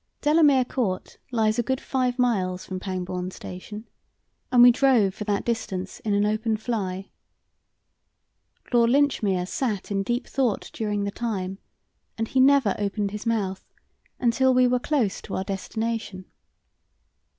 Delamere Court lies a good five miles from Pangbourne Station, and we drove for that distance in an open fly. Lord Linchmere sat in deep thought during the time, and he never opened his mouth until we were close to our destination.